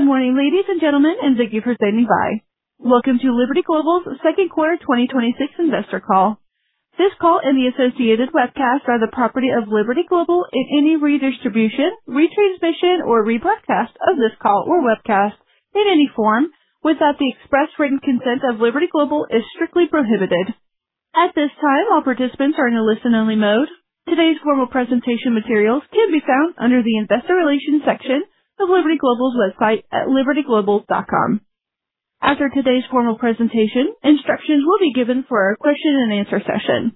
Good morning, ladies and gentlemen, thank you for standing by. Welcome to Liberty Global's second quarter 2026 investor call. This call and the associated webcast are the property of Liberty Global, any redistribution, retransmission, or rebroadcast of this call or webcast in any form without the express written consent of Liberty Global is strictly prohibited. At this time, all participants are in a listen-only mode. Today's formal presentation materials can be found under the investor relations section of libertyglobal.com. After today's formal presentation, instructions will be given for our question and answer session.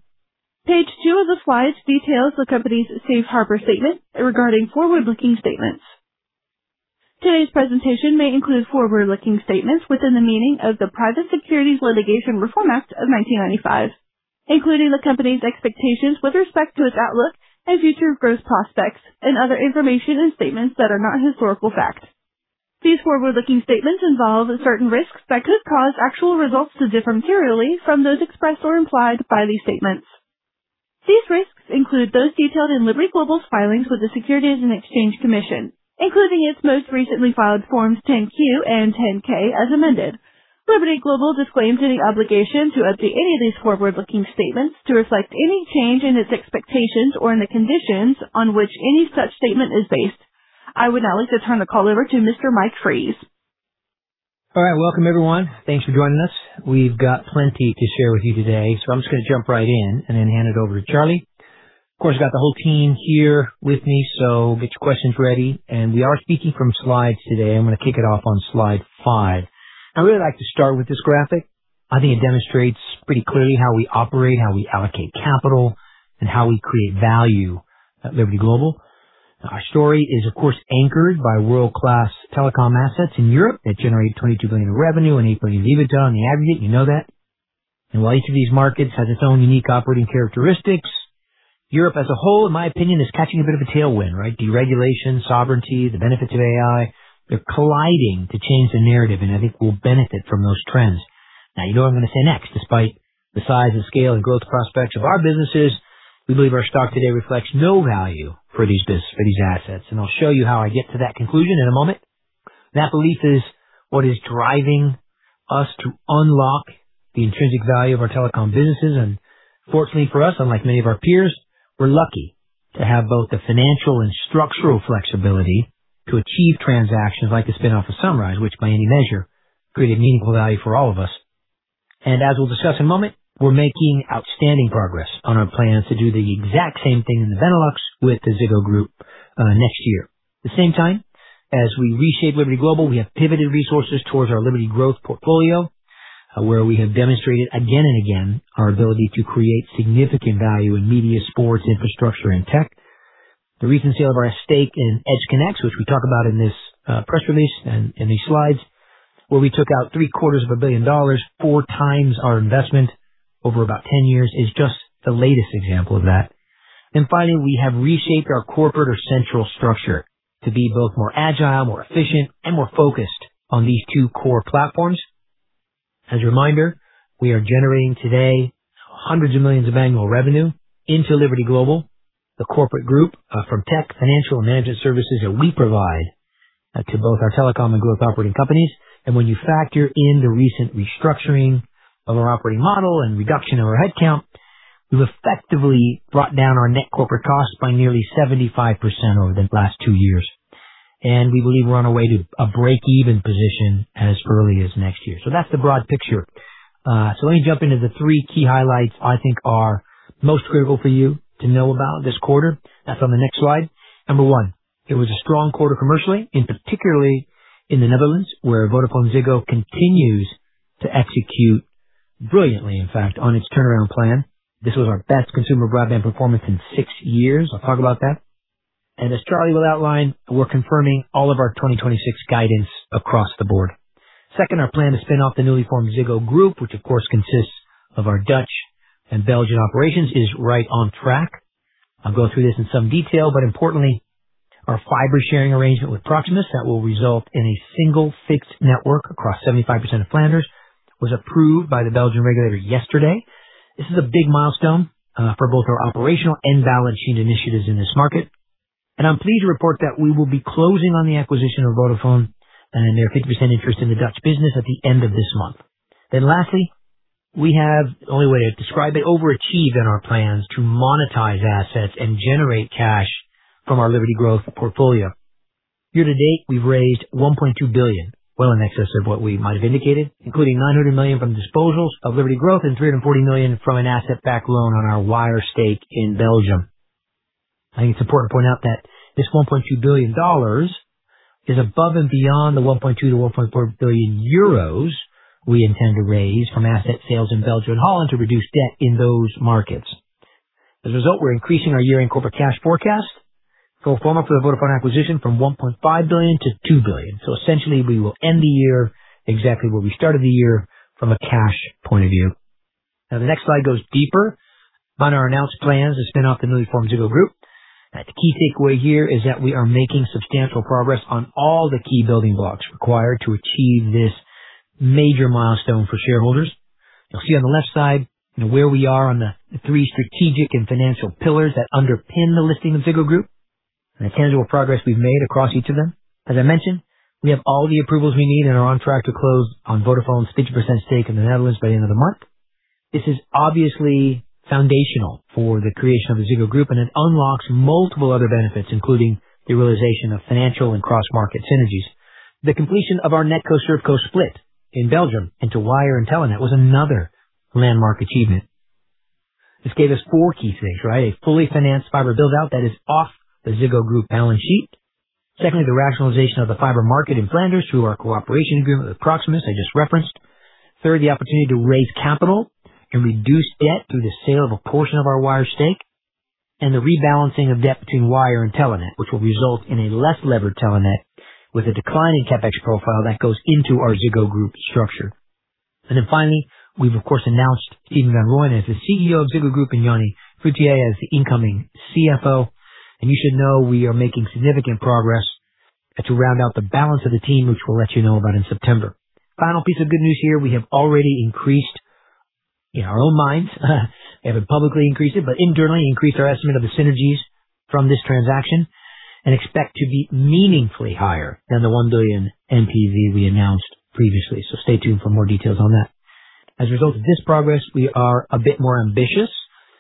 Page two of the slides details the company's safe harbor statement regarding forward-looking statements. Today's presentation may include forward-looking statements within the meaning of the Private Securities Litigation Reform Act of 1995, including the company's expectations with respect to its outlook and future growth prospects and other information and statements that are not historical fact. These forward-looking statements involve certain risks that could cause actual results to differ materially from those expressed or implied by these statements. These risks include those detailed in Liberty Global's filings with the Securities and Exchange Commission, including its most recently filed Forms 10-Q and 10-K, as amended. Liberty Global disclaims any obligation to update any of these forward-looking statements to reflect any change in its expectations or in the conditions on which any such statement is based. I would now like to turn the call over to Mr. Mike Fries. All right. Welcome, everyone. Thanks for joining us. We've got plenty to share with you today, so I'm just going to jump right in and then hand it over to Charlie. Of course, I've got the whole team here with me, so get your questions ready. We are speaking from slides today. I'm going to kick it off on slide five. I really like to start with this graphic. I think it demonstrates pretty clearly how we operate, how we allocate capital, and how we create value at Liberty Global. Our story is, of course, anchored by world-class telecom assets in Europe that generate $22 billion in revenue and $8 billion in EBITDA on the aggregate. You know that. While each of these markets has its own unique operating characteristics, Europe as a whole, in my opinion, is catching a bit of a tailwind, right? Deregulation, sovereignty, the benefits of AI, they're colliding to change the narrative, I think we'll benefit from those trends. Now, you know what I'm going to say next. Despite the size and scale and growth prospects of our businesses, we believe our stock today reflects no value for these assets. I'll show you how I get to that conclusion in a moment. That belief is what is driving us to unlock the intrinsic value of our telecom businesses. Fortunately for us, unlike many of our peers, we're lucky to have both the financial and structural flexibility to achieve transactions like the spin-off of Sunrise, which by any measure created meaningful value for all of us. As we'll discuss in a moment, we're making outstanding progress on our plans to do the exact same thing in the Benelux with the Ziggo Group next year. At the same time, as we reshape Liberty Global, we have pivoted resources towards our Liberty Growth portfolio, where we have demonstrated again and again our ability to create significant value in media, sports, infrastructure, and tech. The recent sale of our stake in EdgeConneX, which we talk about in this press release and in these slides, where we took out $726 million, 4x our investment over about 10 years, is just the latest example of that. Finally, we have reshaped our corporate or central structure to be both more agile, more efficient, and more focused on these two core platforms. As a reminder, we are generating today hundreds of millions of annual revenue into Liberty Global, the corporate group from tech, financial, and management services that we provide to both our telecom and growth operating companies. When you factor in the recent restructuring of our operating model and reduction of our headcount, we've effectively brought down our net corporate costs by nearly 75% over the last two years. We believe we're on our way to a break-even position as early as next year. That's the broad picture. Let me jump into the three key highlights I think are most critical for you to know about this quarter. That's on the next slide. Number one, it was a strong quarter commercially and particularly in the Netherlands, where VodafoneZiggo continues to execute brilliantly, in fact, on its turnaround plan. This was our best consumer broadband performance in six years. I'll talk about that. As Charlie will outline, we're confirming all of our 2026 guidance across the board. Second, our plan to spin off the newly formed Ziggo Group, which of course consists of our Dutch and Belgian operations, is right on track. I'll go through this in some detail, but importantly, our fiber sharing arrangement with Proximus that will result in a single fixed network across 75% of Flanders was approved by the Belgian regulator yesterday. This is a big milestone for both our operational and balance sheet initiatives in this market. I'm pleased to report that we will be closing on the acquisition of Vodafone and their 50% interest in the Dutch business at the end of this month. Lastly, we have, the only way to describe it, overachieved in our plans to monetize assets and generate cash from our Liberty Growth portfolio. Year to date, we've raised $1.2 billion, well in excess of what we might have indicated, including $900 million from disposals of Liberty Growth and $340 million from an asset-backed loan on our Wyre stake in Belgium. I think it's important to point out that this $1.2 billion is above and beyond the 1.2 billion-1.4 billion euros we intend to raise from asset sales in Belgium and Holland to reduce debt in those markets. As a result, we're increasing our year-end corporate cash forecast pro forma for the Vodafone acquisition from $1.5 billion-$2 billion. Essentially, we will end the year exactly where we started the year from a cash point of view. The next slide goes deeper on our announced plans to spin off the newly formed Ziggo Group. The key takeaway here is that we are making substantial progress on all the key building blocks required to achieve this major milestone for shareholders. You'll see on the left side where we are on the three strategic and financial pillars that underpin the listing of Ziggo Group, and the tangible progress we've made across each of them. As I mentioned, we have all the approvals we need and are on track to close on Vodafone's 50% stake in the Netherlands by the end of the month. This is obviously foundational for the creation of the Ziggo Group, and it unlocks multiple other benefits, including the realization of financial and cross-market synergies. The completion of our NetCo/ServCo split in Belgium into Wyre and Telenet was another landmark achievement. This gave us four key things. A fully financed fiber build-out that is off the Ziggo Group balance sheet. Secondly, the rationalization of the fiber market in Flanders through our cooperation agreement with Proximus I just referenced. Third, the opportunity to raise capital and reduce debt through the sale of a portion of our Wyre stake, and the rebalancing of debt between Wyre and Telenet, which will result in a less levered Telenet with a declining CapEx profile that goes into our Ziggo Group structure. Finally, we've of course, announced Stephen van Rooyen as the CEO of Ziggo Group and Jany Fruytier as the incoming CFO. You should know we are making significant progress to round out the balance of the team, which we'll let you know about in September. Final piece of good news here, we have already increased in our own minds, we haven't publicly increased it, but internally increased our estimate of the synergies from this transaction and expect to be meaningfully higher than the $1 billion NPV we announced previously. Stay tuned for more details on that. As a result of this progress, we are a bit more ambitious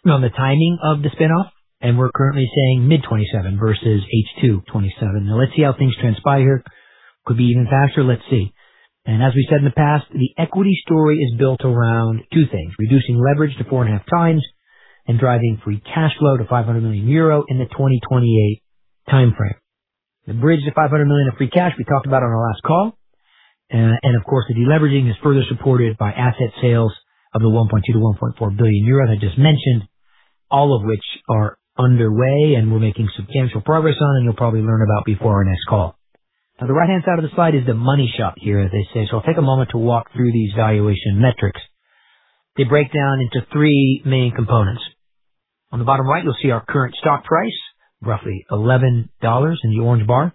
on the timing of the spin-off, and we're currently saying mid 2027 versus H2 2027. Let's see how things transpire here. Could be even faster. Let's see. As we said in the past, the equity story is built around two things, reducing leverage to 4.5x and driving free cash flow to 500 million euro in the 2028 timeframe. The bridge to 500 million of free cash we talked about on our last call. Of course, the deleveraging is further supported by asset sales of the 1.2 billion-1.4 billion euros I just mentioned, all of which are underway and we're making substantial progress on and you'll probably learn about before our next call. The right-hand side of the slide is the money shot here, as they say. I'll take a moment to walk through these valuation metrics. They break down into three main components. On the bottom right, you'll see our current stock price, roughly $11 in the orange bar.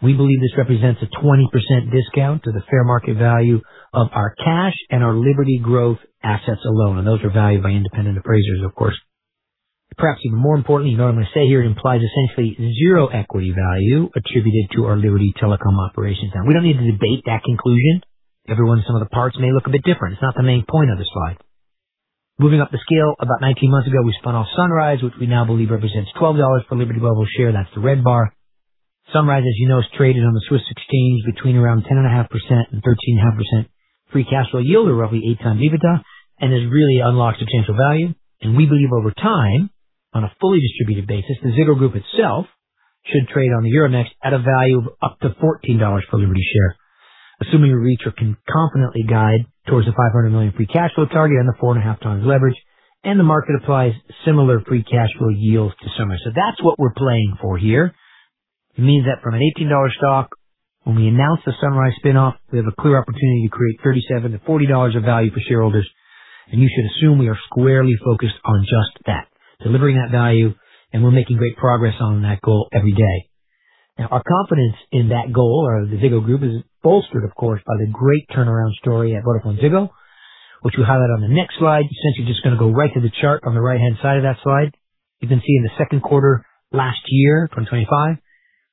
We believe this represents a 20% discount to the fair market value of our cash and our Liberty Growth assets alone, and those are valued by independent appraisers, of course. Perhaps even more importantly, though, I'm going to say here, it implies essentially zero equity value attributed to our Liberty Telecom operations. We don't need to debate that conclusion. Everyone, some of the parts may look a bit different. It's not the main point of the slide. Moving up the scale, about 19 months ago, we spun off Sunrise, which we now believe represents $12 per Liberty Global share. That's the red bar. Sunrise, as you know, is traded on the Swiss exchange between around 10.5% and 13.5% free cash flow yield or roughly 8x EBITDA, and has really unlocked substantial value. We believe over time, on a fully distributed basis, the Ziggo Group itself should trade on the Euronext at a value of up to $14 per Liberty share. Assuming we reach or can confidently guide towards the $500 million free cash flow target and the 4.5x leverage, and the market applies similar free cash flow yields to Sunrise. That's what we're playing for here. It means that from an $18 stock, when we announce the Sunrise spin-off, we have a clear opportunity to create $37-$40 of value for shareholders, you should assume we are squarely focused on just that, delivering that value, and we're making great progress on that goal every day. Our confidence in that goal or the Ziggo Group is bolstered, of course, by the great turnaround story at VodafoneZiggo, which we highlight on the next slide. Just going to go right to the chart on the right-hand side of that slide. You can see in Q2 last year, 2025,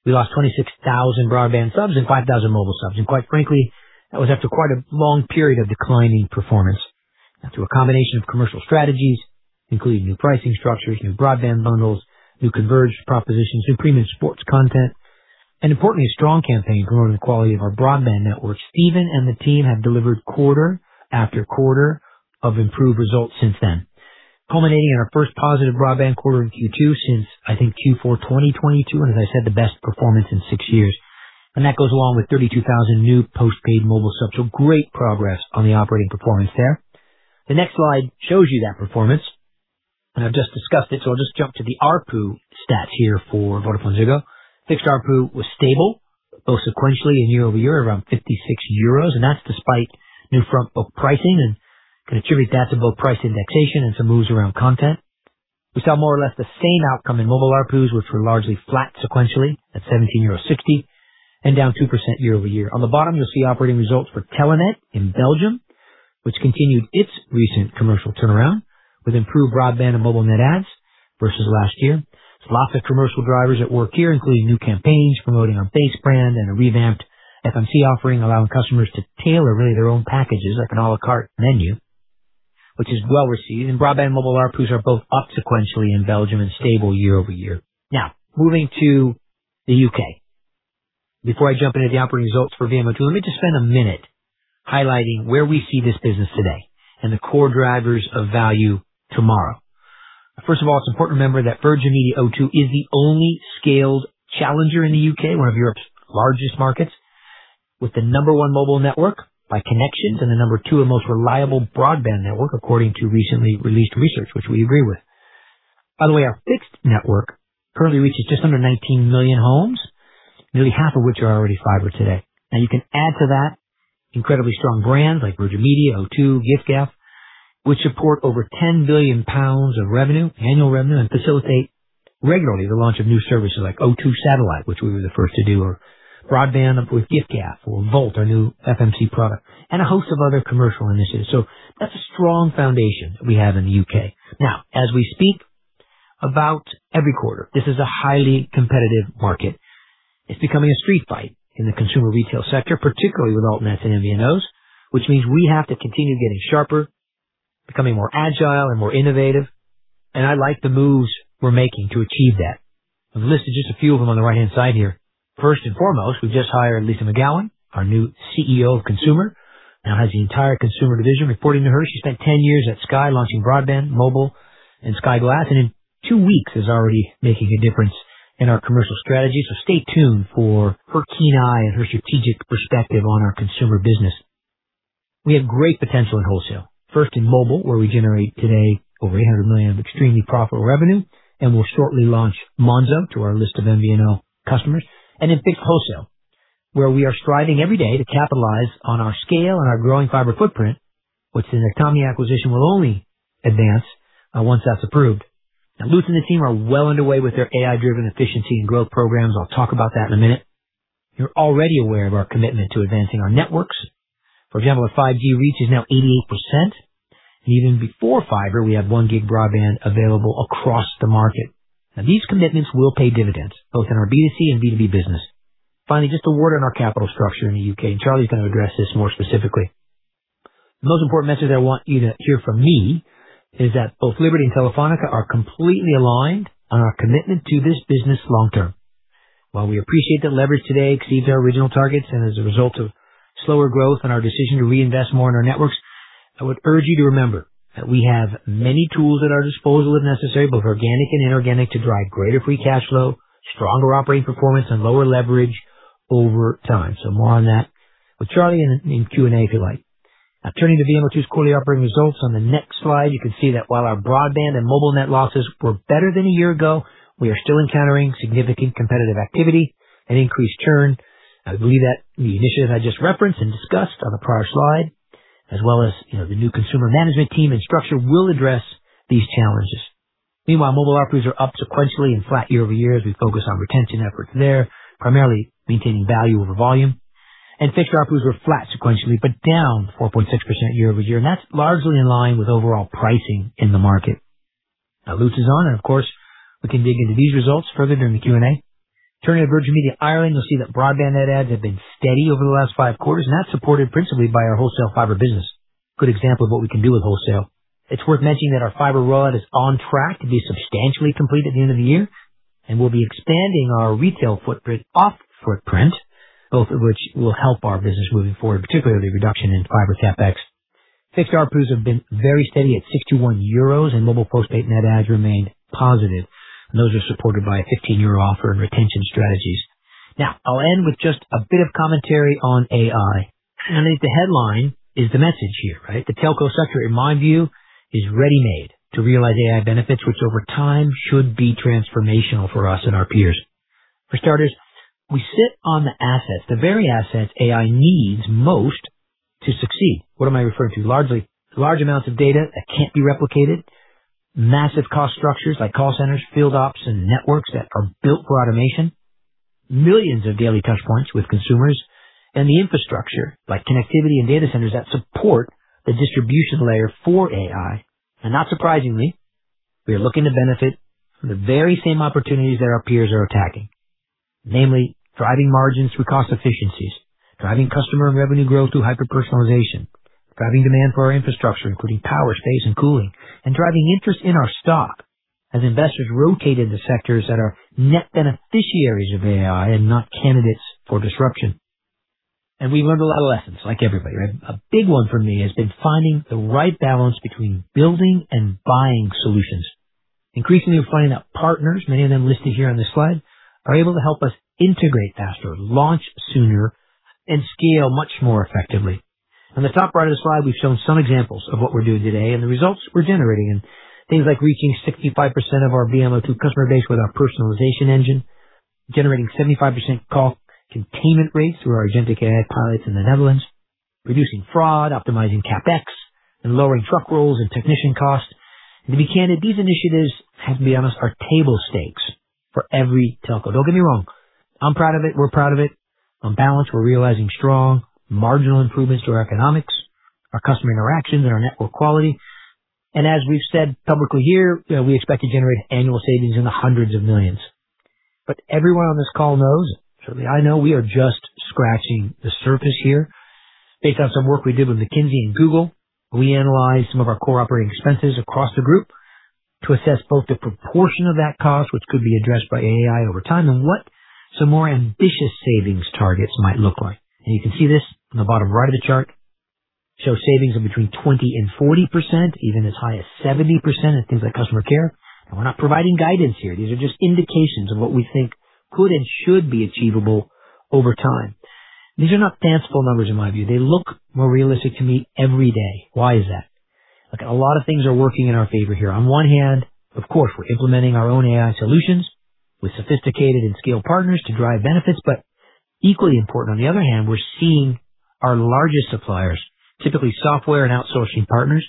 we lost 26,000 broadband subs and 5,000 mobile subs. Quite frankly, that was after quite a long period of declining performance. Through a combination of commercial strategies, including new pricing structures, new broadband bundles, new converged propositions, new premium sports content, and importantly, a strong campaign growing the quality of our broadband network. Stephen and the team have delivered quarter after quarter of improved results since then, culminating in our first positive broadband quarter in Q2 since, I think, Q4 2022, and as I said, the best performance in six years. That goes along with 32,000 new postpaid mobile subs. Great progress on the operating performance there. The next slide shows you that performance, I've just discussed it, I'll just jump to the ARPU stats here for VodafoneZiggo. Fixed ARPU was stable, both sequentially and year-over-year, around 56 euros. That's despite new front book pricing and can attribute that to both price indexation and some moves around content. We saw more or less the same outcome in mobile ARPUs, which were largely flat sequentially at 17.60 euros and down 2% year-over-year. On the bottom, you'll see operating results for Telenet in Belgium, which continued its recent commercial turnaround with improved broadband and mobile net adds versus last year. There's lots of commercial drivers at work here, including new campaigns promoting our BASE brand and a revamped FMC offering, allowing customers to tailor really their own packages like an à la carte menu, which is well-received. Broadband mobile ARPUs are both up sequentially in Belgium and stable year-over-year. Moving to the U.K. Before I jump into the operating results for VMO2, let me just spend a minute highlighting where we see this business today and the core drivers of value tomorrow. First of all, it's important to remember that Virgin Media O2 is the only scaled challenger in the U.K., one of Europe's largest markets, with the number one mobile network by connections and the number two and most reliable broadband network, according to recently released research, which we agree with. By the way, our fixed network currently reaches just under 19 million homes, nearly half of which are already fiber today. Now you can add to that incredibly strong brands like Virgin Media, O2, giffgaff, which support over 10 billion pounds of revenue, annual revenue, and facilitate regularly the launch of new services like O2 Satellite, which we were the first to do, or broadband with giffgaff or Volt, our new FMC product, and a host of other commercial initiatives. That's a strong foundation that we have in the U.K. As we speak about every quarter, this is a highly competitive market. It's becoming a street fight in the consumer retail sector, particularly with alt nets and MVNOs, which means we have to continue getting sharper, becoming more agile and more innovative. I like the moves we're making to achieve that. I've listed just a few of them on the right-hand side here. First and foremost, we've just hired Lyssa McGowan, our new CEO of Consumer. Now has the entire consumer division reporting to her. She spent 10 years at Sky launching broadband, mobile, and Sky Glass, and in two weeks is already making a difference in our commercial strategy. Stay tuned for her keen eye and her strategic perspective on our consumer business. We have great potential in wholesale, first in mobile, where we generate today over 800 million of extremely profitable revenue, and will shortly launch Monzo to our list of MVNO customers, and in fixed wholesale, where we are striving every day to capitalize on our scale and our growing fiber footprint, which the Netomnia acquisition will only advance once that's approved. Lutz and the team are well underway with their AI-driven efficiency and growth programs. I'll talk about that in a minute. You're already aware of our commitment to advancing our networks. For example, our 5G reach is now 88%, and even before fiber, we have 1 Gb broadband available across the market. These commitments will pay dividends both in our B2C and B2B business. Finally, just a word on our capital structure in the U.K., and Charlie's going to address this more specifically. The most important message I want you to hear from me is that both Liberty and Telefónica are completely aligned on our commitment to this business long term. While we appreciate the leverage today exceeds our original targets and as a result of slower growth and our decision to reinvest more in our networks, I would urge you to remember that we have many tools at our disposal, if necessary, both organic and inorganic, to drive greater free cash flow, stronger operating performance, and lower leverage over time. More on that with Charlie in Q&A, if you like. Turning to VMO2's quarterly operating results. On the next slide, you can see that while our broadband and mobile net losses were better than a year ago, we are still encountering significant competitive activity and increased churn. I believe that the initiatives I just referenced and discussed on the prior slide, as well as the new consumer management team and structure will address these challenges. Meanwhile, mobile ARPUs are up sequentially and flat year-over-year as we focus on retention efforts there, primarily maintaining value over volume. Fixed ARPUs were flat sequentially, but down 4.6% year-over-year. That's largely in line with overall pricing in the market. Lutz is on, and of course, we can dig into these results further during the Q&A. Turning to Virgin Media Ireland, you'll see that broadband net adds have been steady over the last five quarters, and that's supported principally by our wholesale fiber business. Good example of what we can do with wholesale. It's worth mentioning that our fiber rollout is on track to be substantially complete at the end of the year, and we'll be expanding our retail footprint [off] footprint, both of which will help our business moving forward, particularly reduction in fiber CapEx. Fixed ARPUs have been very steady at 61 euros, and mobile post-paid net adds remained positive. Those are supported by a 15 offer and retention strategies. I'll end with just a bit of commentary on AI. I think the headline is the message here. The telco sector, in my view, is ready-made to realize AI benefits, which over time should be transformational for us and our peers. For starters, we sit on the assets, the very assets AI needs most to succeed. What am I referring to? Large amounts of data that can't be replicated, massive cost structures like call centers, field ops, and networks that are built for automation, millions of daily touch points with consumers, and the infrastructure like connectivity and data centers that support the distribution layer for AI. Not surprisingly, we are looking to benefit from the very same opportunities that our peers are attacking. Namely, driving margins through cost efficiencies, driving customer revenue growth through hyper-personalization, driving demand for our infrastructure, including power, space, and cooling, and driving interest in our stock as investors rotate into sectors that are net beneficiaries of AI and not candidates for disruption. We learned a lot of lessons, like everybody. A big one for me has been finding the right balance between building and buying solutions. Increasingly, we're finding that partners, many of them listed here on this slide, are able to help us integrate faster, launch sooner, and scale much more effectively. On the top right of the slide, we've shown some examples of what we're doing today and the results we're generating in things like reaching 65% of our VMO2 customer base with our personalization engine, generating 75% call containment rates through our agentic AI pilots in the Netherlands, reducing fraud, optimizing CapEx, and lowering truck rolls and technician costs. To be candid, these initiatives, I have to be honest, are table stakes for every telco. Don't get me wrong, I'm proud of it. We're proud of it. On balance, we're realizing strong marginal improvements to our economics, our customer interactions, and our network quality. As we've said publicly here, we expect to generate annual savings in the hundreds of millions. Everyone on this call knows, certainly I know, we are just scratching the surface here. Based on some work we did with McKinsey and Google, we analyzed some of our core operating expenses across the group to assess both the proportion of that cost which could be addressed by AI over time and what some more ambitious savings targets might look like. You can see this on the bottom right of the chart. Shows savings of between 20%-40%, even as high as 70% on things like customer care. We're not providing guidance here. These are just indications of what we think could and should be achievable over time. These are not fanciful numbers in my view. They look more realistic to me every day. Why is that? A lot of things are working in our favor here. On one hand, of course, we're implementing our own AI solutions with sophisticated and skilled partners to drive benefits. Equally important, on the other hand, we're seeing our largest suppliers, typically software and outsourcing partners,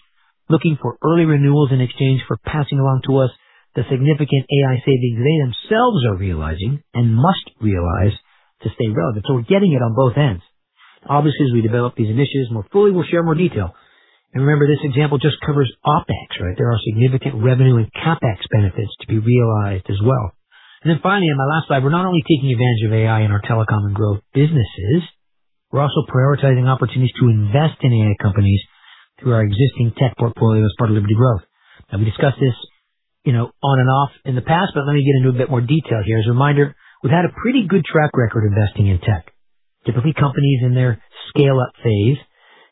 looking for early renewals in exchange for passing along to us the significant AI savings they themselves are realizing and must realize to stay relevant. We're getting it on both ends. Obviously, as we develop these initiatives more fully, we'll share more detail. Remember, this example just covers OpEx, right? There are significant revenue and CapEx benefits to be realized as well. Finally, on my last slide, we're not only taking advantage of AI in our telecom and growth businesses, we're also prioritizing opportunities to invest in AI companies through our existing tech portfolio as part of Liberty Growth. We discussed this on and off in the past, but let me get into a bit more detail here. As a reminder, we've had a pretty good track record investing in tech. Typically, companies in their scale-up phase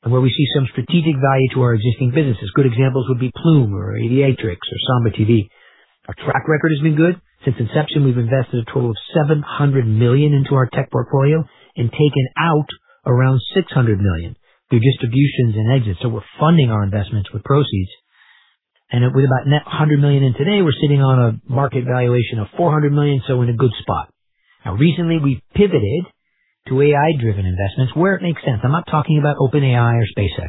and where we see some strategic value to our existing businesses. Good examples would be Plume or Aviatrix or Samba TV. Our track record has been good. Since inception, we've invested a total of $700 million into our tech portfolio and taken out around $600 million through distributions and exits. We're funding our investments with proceeds. With about net $100 million in today, we're sitting on a market valuation of $400 million, so we're in a good spot. Recently, we pivoted to AI-driven investments where it makes sense. I'm not talking about OpenAI or SpaceX.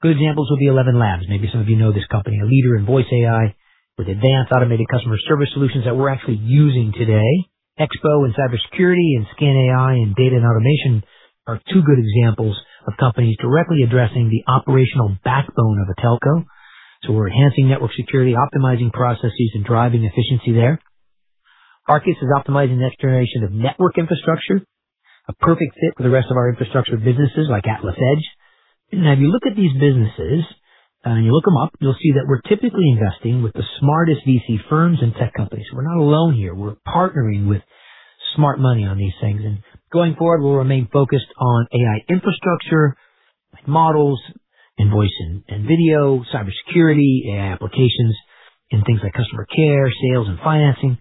Good examples would be ElevenLabs. Maybe some of you know this company, a leader in voice AI with advanced automated customer service solutions that we're actually using today. XBOW in cybersecurity and Skan.ai in data and automation are two good examples of companies directly addressing the operational backbone of a telco. We're enhancing network security, optimizing processes, and driving efficiency there. Arkessa is optimizing the next generation of network infrastructure, a perfect fit for the rest of our infrastructure businesses like AtlasEdge. If you look at these businesses and you look them up, you'll see that we're typically investing with the smartest VC firms and tech companies. We're not alone here. We're partnering with smart money on these things. Going forward, we'll remain focused on AI infrastructure like models and voice and video, cybersecurity, AI applications in things like customer care, sales, and financing.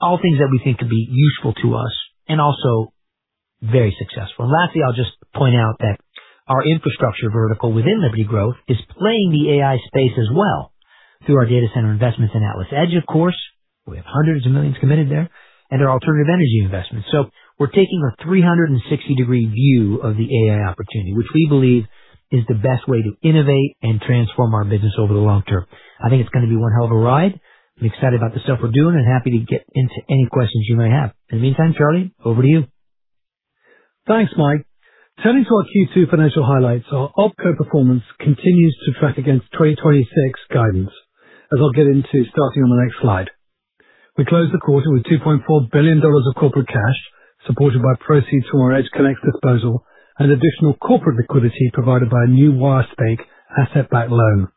All things that we think could be useful to us and also very successful. Lastly, I'll just point out that our infrastructure vertical within Liberty Growth is playing the AI space as well through our data center investments in AtlasEdge, of course, we have hundreds of millions committed there, and our alternative energy investments. We're taking a 360-degree view of the AI opportunity, which we believe is the best way to innovate and transform our business over the long term. I think it's going to be one hell of a ride. I'm excited about the stuff we're doing and happy to get into any questions you may have. In the meantime, Charlie, over to you. Thanks, Mike. Turning to our Q2 financial highlights. Our OpCo performance continues to track against 2026 guidance, as I'll get into starting on the next slide. We closed the quarter with $2.4 billion of corporate cash, supported by proceeds from our EdgeConneX disposal and additional corporate liquidity provided by a new Wyre stake asset-backed loan.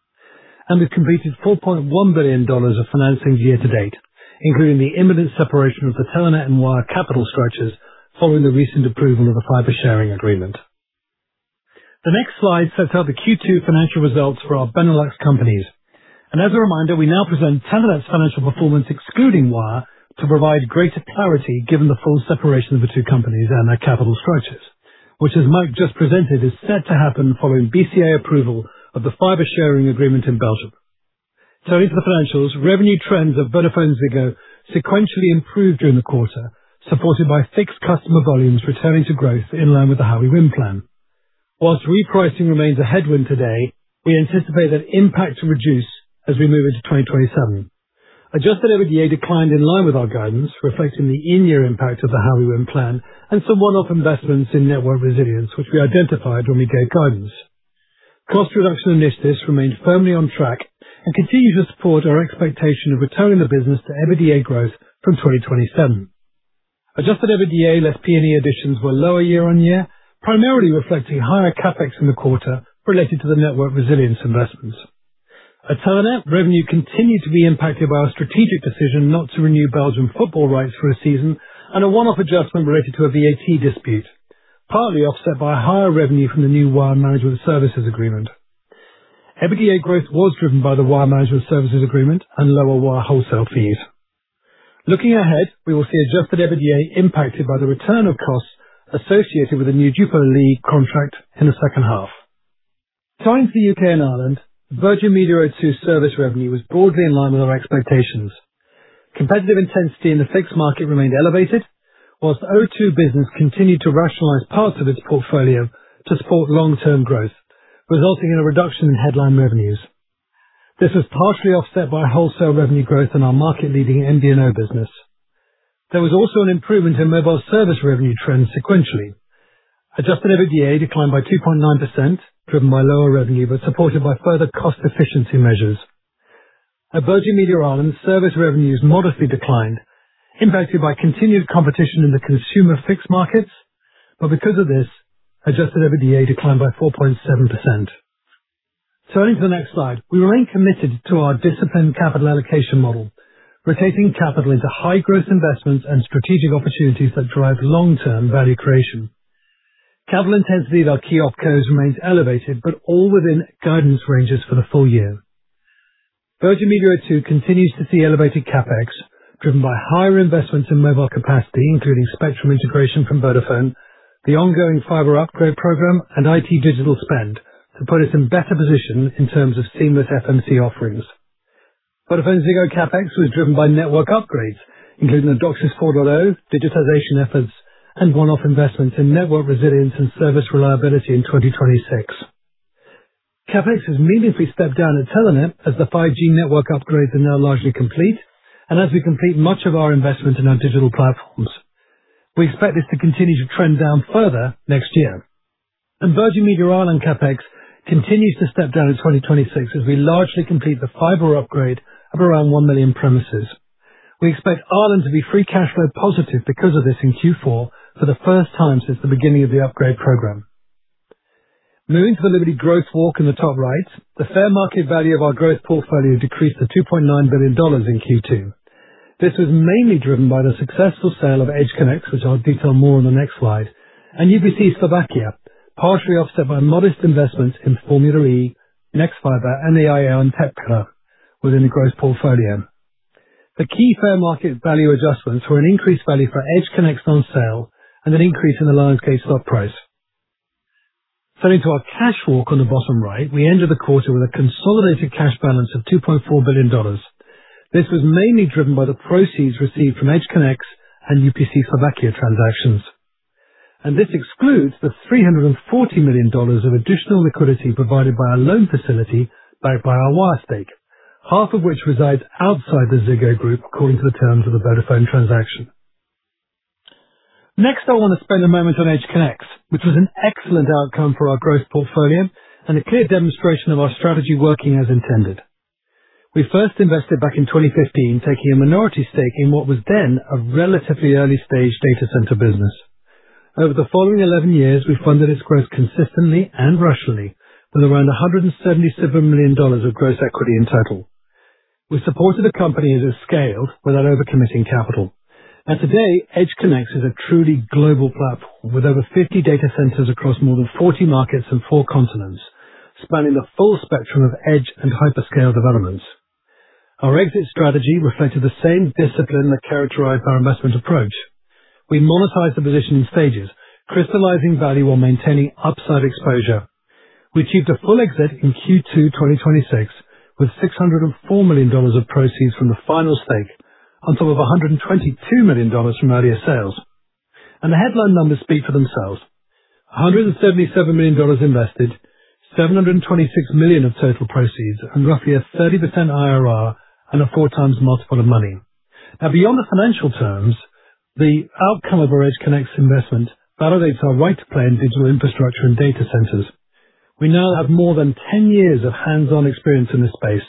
We've completed $4.1 billion of financings year to date, including the imminent separation of the Telenet and Wyre capital structures following the recent approval of the fiber sharing agreement. The next slide sets out the Q2 financial results for our Benelux companies. As a reminder, we now present Telenet's financial performance excluding Wyre to provide greater clarity given the full separation of the two companies and their capital structures, which as Mike just presented, is set to happen following BCA approval of the fiber sharing agreement in Belgium. Turning to the financials, revenue trends of VodafoneZiggo sequentially improved during the quarter, supported by fixed customer volumes returning to growth in line with the How We Win plan. Whilst repricing remains a headwind today, we anticipate that impact to reduce as we move into 2027. Adjusted EBITDA declined in line with our guidance, reflecting the in-year impact of the How We Win plan and some one-off investments in network resilience, which we identified when we gave guidance. Cost reduction initiatives remained firmly on track and continue to support our expectation of returning the business to EBITDA growth from 2027. Adjusted EBITDA less P&E additions were lower year-on-year, primarily reflecting higher CapEx in the quarter related to the network resilience investments. At Telenet, revenue continued to be impacted by our strategic decision not to renew Belgian football rights for a season and a one-off adjustment related to a VAT dispute, partly offset by higher revenue from the new Wyre management services agreement. EBITDA growth was driven by the Wyre management services agreement and lower Wyre wholesale fees. Looking ahead, we will see adjusted EBITDA impacted by the return of costs associated with the new Jupiler League contract in the second half. Turning to the U.K. and Ireland, Virgin Media O2 service revenue was broadly in line with our expectations. Competitive intensity in the fixed market remained elevated, whilst the O2 business continued to rationalize parts of its portfolio to support long-term growth, resulting in a reduction in headline revenues. This was partially offset by wholesale revenue growth in our market-leading MVNO business. There was also an improvement in mobile service revenue trends sequentially. Adjusted EBITDA declined by 2.9%, driven by lower revenue but supported by further cost efficiency measures. At Virgin Media Ireland, service revenues modestly declined, impacted by continued competition in the consumer fixed markets, but because of this, adjusted EBITDA declined by 4.7%. Turning to the next slide. We remain committed to our disciplined capital allocation model, rotating capital into high-growth investments and strategic opportunities that drive long-term value creation. Capital intensity at our key opcos remains elevated, but all within guidance ranges for the full year. Virgin Media O2 continues to see elevated CapEx driven by higher investments in mobile capacity, including spectrum integration from Vodafone, the ongoing fiber upgrade program, and IT digital spend to put us in better position in terms of seamless FMC offerings. VodafoneZiggo CapEx was driven by network upgrades, including the DOCSIS 4.0, digitization efforts, and one-off investments in network resilience and service reliability in 2026. CapEx has meaningfully stepped down at Telenet as the 5G network upgrades are now largely complete, as we complete much of our investment in our digital platforms. We expect this to continue to trend down further next year. Virgin Media Ireland CapEx continues to step down in 2026 as we largely complete the fiber upgrade of around one million premises. We expect Ireland to be free cash flow positive because of this in Q4 for the first time since the beginning of the upgrade program. Moving to the Liberty Growth walk in the top right. The fair market value of our growth portfolio decreased to $2.9 billion in Q2. This was mainly driven by the successful sale of EdgeConneX, which I'll detail more on the next slide, and UPC Slovakia, partially offset by modest investments in Formula E, nexfibre, AIO and Pepper within the growth portfolio. The key fair market value adjustments were an increased value for EdgeConneX on sale and an increase in the Lionsgate stock price. Turning to our cash walk on the bottom right, we ended the quarter with a consolidated cash balance of $2.4 billion. This was mainly driven by the proceeds received from EdgeConneX and UPC Slovakia transactions. This excludes the $340 million of additional liquidity provided by our loan facility backed by our Wyre stake, half of which resides outside the Ziggo Group according to the terms of the Vodafone transaction. Next, I want to spend a moment on EdgeConneX, which was an excellent outcome for our growth portfolio and a clear demonstration of our strategy working as intended. We first invested back in 2015, taking a minority stake in what was then a relatively early-stage data center business. Over the following 11 years, we funded its growth consistently and rationally with around $177 million of gross equity in total. We supported the company as it scaled without over-committing capital. Today, EdgeConneX is a truly global platform with over 50 data centers across more than 40 markets and four continents, spanning the full spectrum of edge and hyperscale developments. Our exit strategy reflected the same discipline that characterized our investment approach. We monetized the position in stages, crystallizing value while maintaining upside exposure. We achieved a full exit in Q2 2026 with $604 million of proceeds from the final stake on top of $122 million from earlier sales. The headline numbers speak for themselves. $177 million invested, $726 million of total proceeds, and roughly a 30% IRR and a 4x multiple of money. Beyond the financial terms, the outcome of our EdgeConneX investment validates our right to play in digital infrastructure and data centers. We now have more than 10 years of hands-on experience in this space,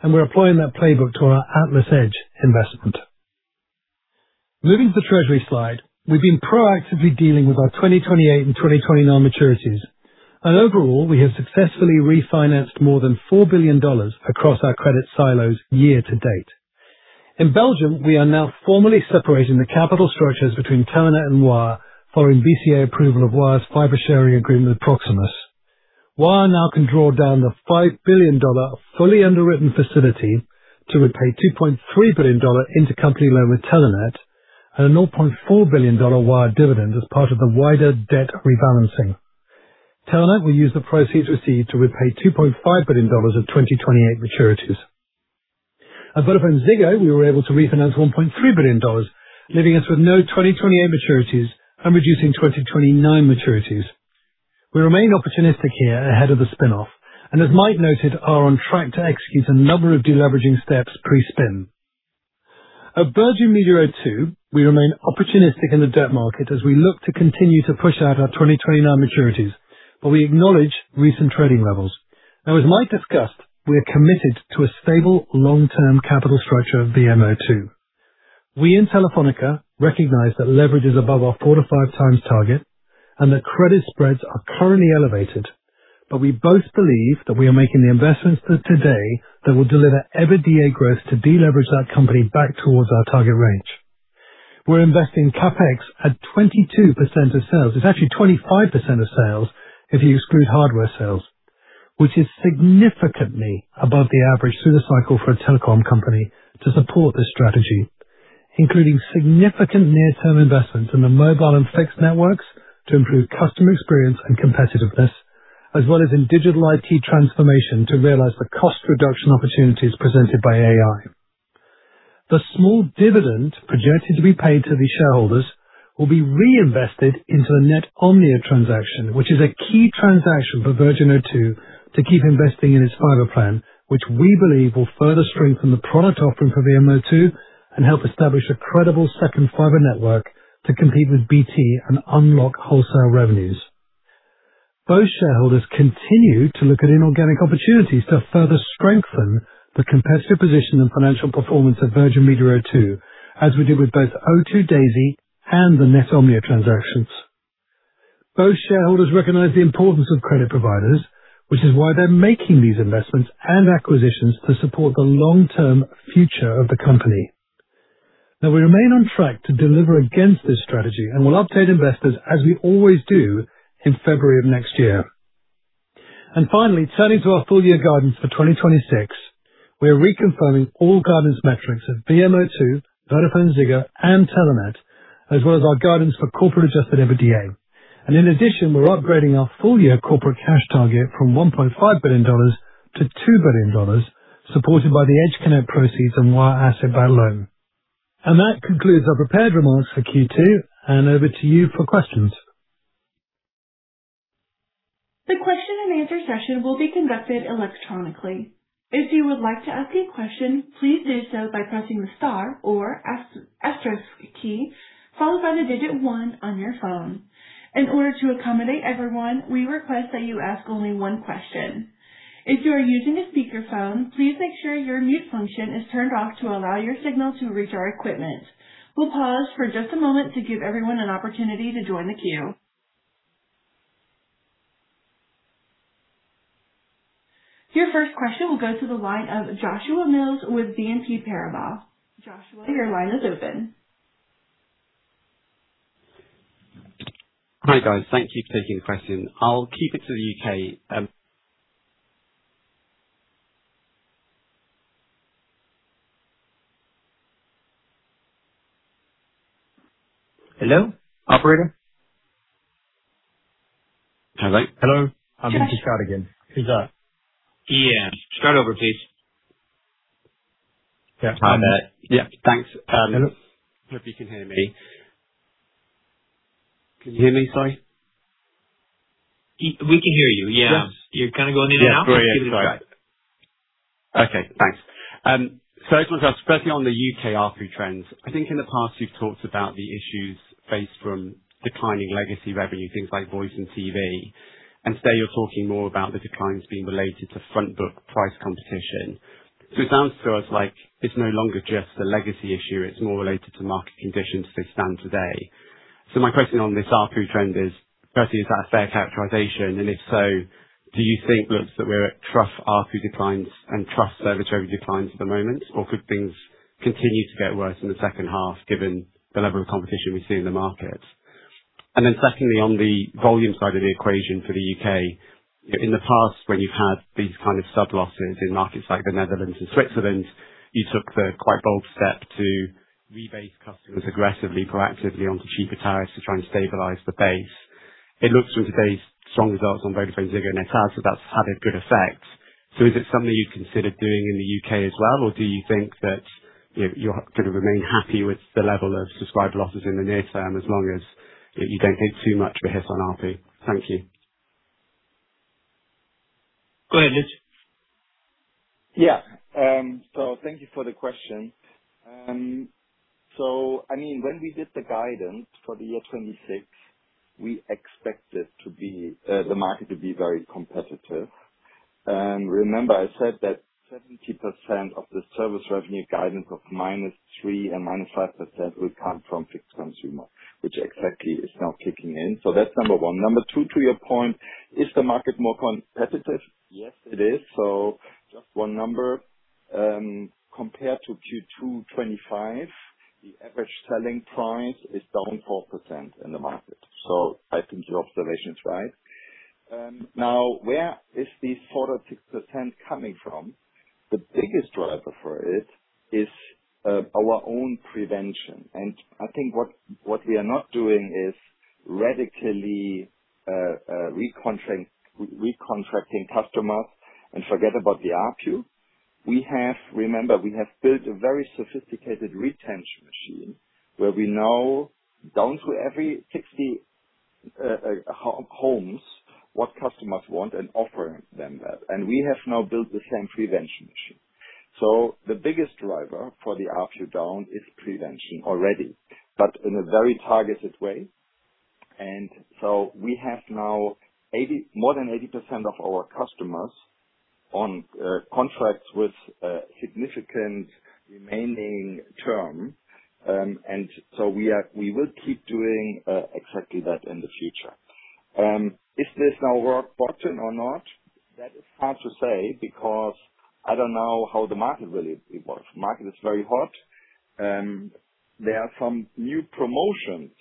and we're applying that playbook to our AtlasEdge investment. Moving to the treasury slide. Overall, we have successfully refinanced more than $4 billion across our credit silos year to date. In Belgium, we are now formally separating the capital structures between Telenet and Wyre following BCA approval of Wyre's fiber sharing agreement with Proximus. Wyre now can draw down the $4.35 billion fully underwritten facility to repay $2.3 billion intercompany loan with Telenet and a $0.4 billion Wyre dividend as part of the wider debt rebalancing. Telenet will use the proceeds received to repay $2.5 billion of 2028 maturities. At VodafoneZiggo, we were able to refinance $1.3 billion, leaving us with no 2028 maturities and reducing 2029 maturities. As Mike noted, we remain opportunistic here ahead of the spin-off and as Mike noted, are on track to execute a number of de-leveraging steps pre-spin. At Virgin Media O2, we remain opportunistic in the debt market as we look to continue to push out our 2029 maturities, we acknowledge recent trading levels. As Mike discussed, we are committed to a stable long-term capital structure of VMO2. We in Telefónica recognize that leverage is above our 4x-5x target and that credit spreads are currently elevated, but we both believe that we are making the investments today that will deliver EBITDA growth to deleverage that company back towards our target range. We're investing CapEx at 22% of sales. It's actually 25% of sales if you exclude hardware sales, which is significantly above the average through the cycle for a telecom company to support this strategy, including significant near-term investment in the mobile and fixed networks to improve customer experience and competitiveness, as well as in digital IT transformation to realize the cost reduction opportunities presented by AI. The small dividend projected to be paid to the shareholders will be reinvested into the Netomnia transaction, which is a key transaction for Virgin O2 to keep investing in its fiber plan, which we believe will further strengthen the product offering for VMO2 and help establish a credible second fiber network to compete with BT and unlock wholesale revenues. Both shareholders continue to look at inorganic opportunities to further strengthen the competitive position and financial performance of Virgin Media O2, as we did with both O2 Daisy and the Netomnia transactions. Both shareholders recognize the importance of credit providers, which is why they're making these investments and acquisitions to support the long-term future of the company. We remain on track to deliver against this strategy, we'll update investors as we always do in February of next year. Finally, turning to our full-year guidance for 2026. We are reconfirming all guidance metrics of VMO2, VodafoneZiggo, and Telenet, as well as our guidance for corporate adjusted EBITDA. In addition, we're upgrading our full-year corporate cash target from $1.5 billion to $2 billion, supported by the EdgeConneX proceeds and Wyre asset sale loan. That concludes our prepared remarks for Q2. Over to you for questions. The question and answer session will be conducted electronically. If you would like to ask a question, please do so by pressing the star or asterisk key, followed by the digit one on your phone. In order to accommodate everyone, we request that you ask only one question. If you are using a speakerphone, please make sure your mute function is turned off to allow your signal to reach our equipment. We'll pause for just a moment to give everyone an opportunity to join the queue. Your first question will go to the line of Joshua Mills with BNP Paribas. Joshua, your line is open. Hi, guys. Thank you for taking the question. I'll keep it to the U.K. [inaudible] Hello, operator? Hello. Hello. He can just try again. Who's that? Yeah. Straight over, please. Hi, there. Yeah, thanks. Hope you can hear me. Can you hear me, sorry? We can hear you. Yeah. Yes. You're kind of going in and out. Yeah. Great. Sorry. Give it a try. Okay, thanks. I just want to ask, firstly on the U.K. ARPU trends. I think in the past you've talked about the issues faced from declining legacy revenue, things like voice and TV. Today you're talking more about the declines being related to front book price competition. It sounds to us like it's no longer just a legacy issue, it's more related to market conditions as they stand today. My question on this ARPU trend is, firstly, is that a fair characterization? If so, do you think that we're at trough ARPU declines and trough service revenue declines at the moment, or could things continue to get worse in the second half given the level of competition we see in the market? Secondly, on the volume side of the equation for the U.K., in the past, when you've had these kind of sub-losses in markets like the Netherlands and Switzerland, you took the quite bold step to rebase customers aggressively, proactively on cheaper tariffs to try and stabilize the base. It looks from today's strong results on VodafoneZiggo and that's had a good effect. Is it something you'd consider doing in the U.K. as well, or do you think that you're going to remain happy with the level of subscriber losses in the near term, as long as you don't take too much of a hit on ARPU? Thank you. Go ahead, Lutz. Yeah. Thank you for the question. I mean, when we did the guidance for the year 2026, we expected the market to be very competitive. Remember, I said that 70% of the service revenue guidance of -3% and -5% will come from fixed consumer, which exactly is now kicking in. That's number one. Number two to your point, is the market more competitive? Yes, it is. Just one number, compared to Q2 2025, the average selling price is down 4% in the market. I think your observation is right. Now, where is this 4% or 6% coming from? The biggest driver for it is our own prevention. I think what we are not doing is radically recontracting customers and forget about the ARPU. Remember, we have built a very sophisticated retention machine where we know down to every 60 homes what customers want and offering them that. We have now built the same prevention machine. The biggest driver for the ARPU down is prevention already, but in a very targeted way. We have now more than 80% of our customers on contracts with significant remaining term. We will keep doing exactly that in the future. Is this now worth bottom or not? That is hard to say because I don't know how the market really works. Market is very hot. There are some new promotions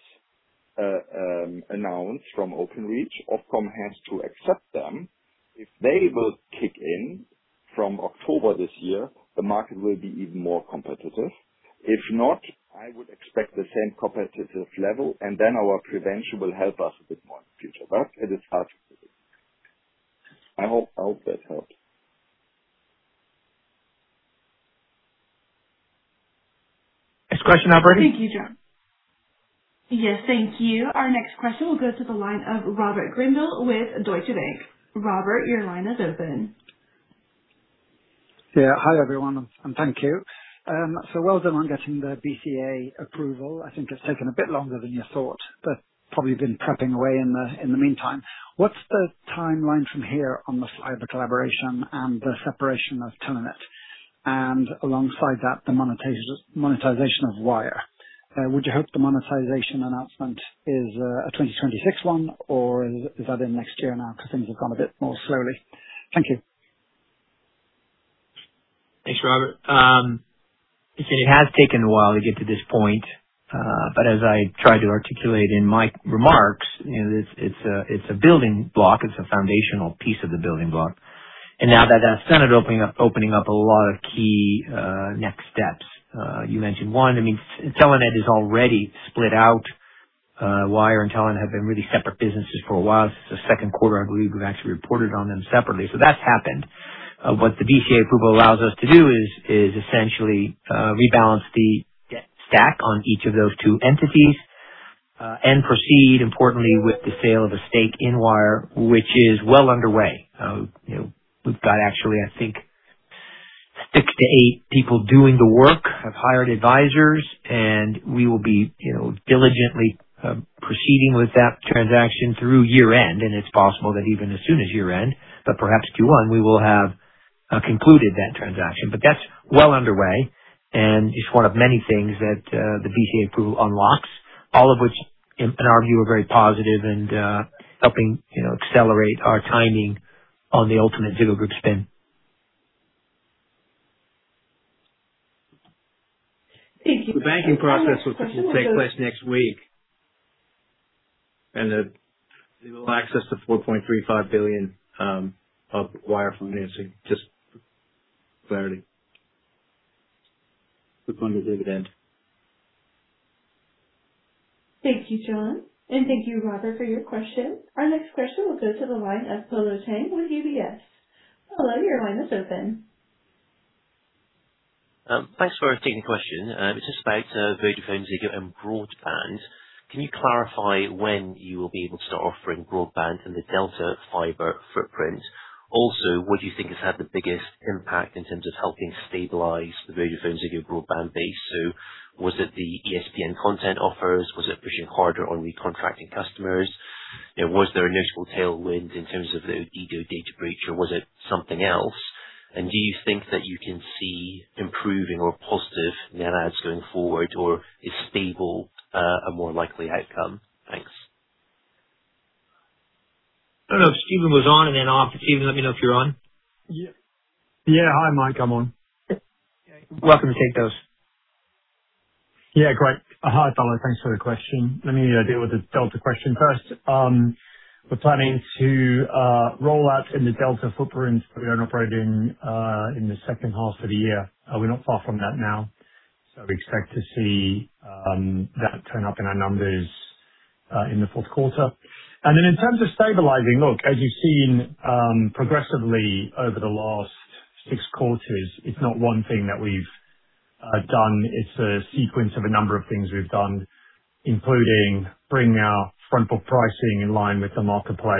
announced from Openreach. Ofcom has to accept them. If they will kick in from October this year, the market will be even more competitive. If not, I would expect the same competitive level, then our prevention will help us a bit more in the future. It is hard to say. I hope that helped. Next question operator. Thank you, Josh. Yes, thank you. Our next question will go to the line of Robert Grindle with Deutsche Bank. Robert, your line is open. Hi, everyone, thank you. Well done on getting the BCA approval. I think it's taken a bit longer than you thought, probably been prepping away in the meantime. What's the timeline from here on the cyber collaboration and the separation of Telenet, alongside that, the monetization of Wyre? Would you hope the monetization announcement is a 2026 one is that in next year now because things have gone a bit more slowly? Thank you. Thanks, Robert. It has taken a while to get to this point, but as I tried to articulate in my remarks, it's a building block. It's a foundational piece of the building block. Now that has set it opening up a lot of key next steps. You mentioned one. Telenet is already split out. Wyre and Telenet have been really separate businesses for a while. Since the second quarter, I believe we've actually reported on them separately. That's happened. What the BCA approval allows us to do is essentially rebalance the debt stack on each of those two entities, and proceed, importantly, with the sale of a stake in Wyre, which is well underway. We've got actually, I think, six to eight people doing the work, have hired advisors, we will be diligently proceeding with that transaction through year-end, it's possible that even as soon as year-end, but perhaps Q1, we will have concluded that transaction. That's well underway, and it's one of many things that the BCA approval unlocks, all of which, in our view, are very positive and helping accelerate our timing on the ultimate Ziggo Group spin. Thank you— The banking process will take place next week, it will access the $4.35 billion of Wyre financing. Just for clarity. To fund the dividend. Thank you, [John]. Thank you, Robert, for your question. Our next question will go to the line of Polo Tang with UBS. Polo, your line is open. Thanks for taking the question. It's just about VodafoneZiggo and broadband. Can you clarify when you will be able to start offering broadband in the DELTA Fiber footprint? Also, what do you think has had the biggest impact in terms of helping stabilize the VodafoneZiggo broadband base? Was it the ESPN content offers? Was it pushing harder on recontracting customers? Was there a notable tailwind in terms of the Ziggo data breach, or was it something else? Do you think that you can see improving or positive net adds going forward, or is stable a more likely outcome? Thanks. I don't know if Stephen was on and then off. Stephen, let me know if you're on. Yeah. Hi, Mike. I'm on. Welcome to take those. Yeah, great. Hi, Polo. Thanks for the question. Let me deal with the DELTA question first. We're planning to roll out in the DELTA footprint where we are operating in the second half of the year. We're not far from that now. We expect to see that turn up in our numbers in the fourth quarter. In terms of stabilizing, look, as you've seen progressively over the last six quarters, it's not one thing that we've done. It's a sequence of a number of things we've done, including bring our front book pricing in line with the marketplace,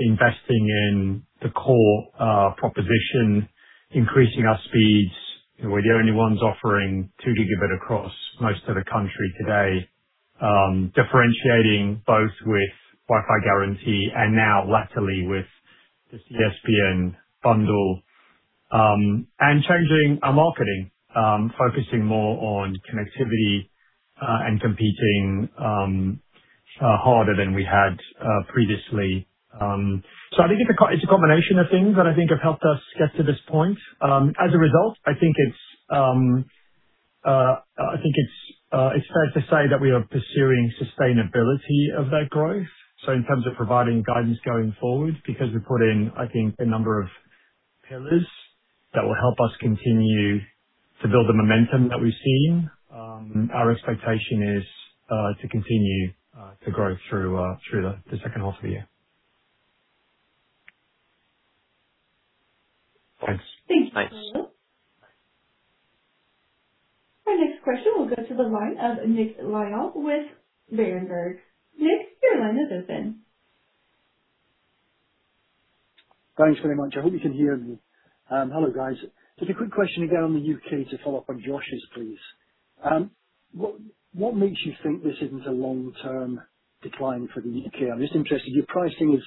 investing in the core proposition, increasing our speeds. We're the only ones offering 2 Gb across most of the country today. Differentiating both with Wi-Fi guarantee and now latterly with this ESPN bundle. Changing our marketing, focusing more on connectivity and competing harder than we had previously. I think it's a combination of things that I think have helped us get to this point. As a result, I think it's fair to say that we are pursuing sustainability of that growth. In terms of providing guidance going forward, because we're putting, I think, a number of pillars that will help us continue to build the momentum that we've seen. Our expectation is to continue to grow through the second half of the year. Thanks. Thank you, Polo. Our next question will go to the line of Nick Lyall with Berenberg. Nick, your line is open. Thanks very much. I hope you can hear me. Hello, guys. Just a quick question again on the U.K. to follow up on Josh's, please. What makes you think this isn't a long-term decline for the U.K.? I'm just interested. Your pricing is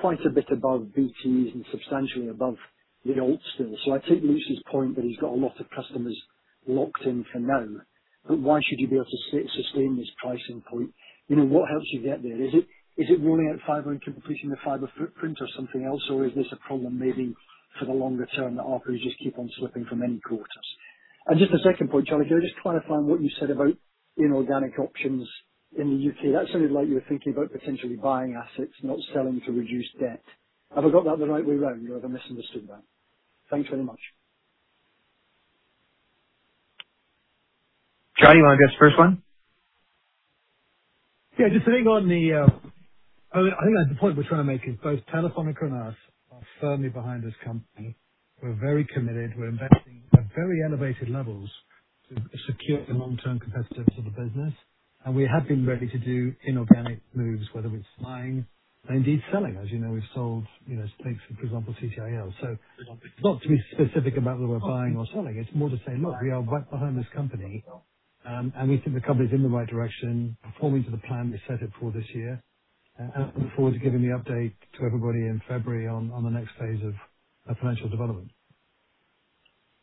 quite a bit above BT's and substantially above the alts still. I take Lutz's point that he's got a lot of customers locked in for now, but why should you be able to sustain this pricing point? What helps you get there? Is it rolling out fiber and completing the fiber footprint or something else? Is this a problem maybe for the longer term that ARPU just keep on slipping for many quarters? Just a second point, Charlie, can I just clarify what you said about inorganic options in the U.K.? That sounded like you were thinking about potentially buying assets, not selling to reduce debt. Have I got that the right way around or have I misunderstood that? Thanks very much. Charlie, you want to go to this first one? I think that the point we're trying to make is both Telefónica and us are firmly behind this company. We're very committed. We're investing at very elevated levels to secure the long-term competitiveness of the business, we have been ready to do inorganic moves, whether it's buying and indeed selling. As you know, we've sold stakes, for example, CTIL. Not to be specific about whether we're buying or selling, it's more to say, look, we are right behind this company, we think the company's in the right direction, performing to the plan we set it for this year. I look forward to giving the update to everybody in February on the next phase of financial development.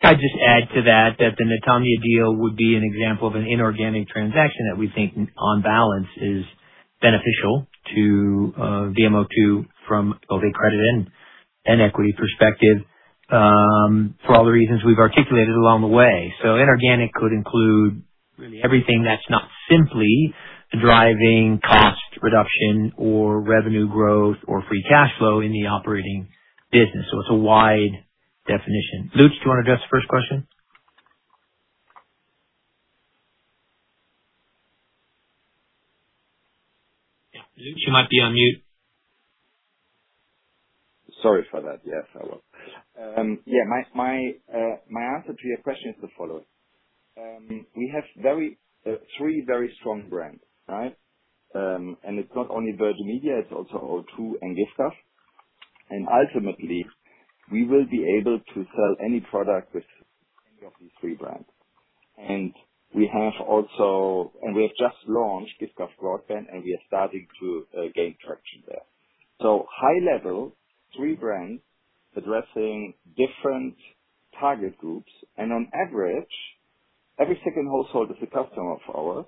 Can I just add to that the Netomnia deal would be an example of an inorganic transaction that we think on balance is beneficial to VMO2 from both a credit and equity perspective for all the reasons we've articulated along the way. Inorganic could include really everything that's not simply driving cost reduction or revenue growth or free cash flow in the operating business. It's a wide definition. Lutz, do you want to address the first question? Yeah. Lutz, you might be on mute. Sorry for that. Yes, I was. My answer to your question is the following. We have three very strong brands, right? It's not only Virgin Media, it's also O2 and giffgaff. Ultimately, we will be able to sell any product with any of these three brands. We've just launched giffgaff broadband, and we are starting to gain traction there. High level, three brands addressing different target groups, and on average, every second household is a customer of ours.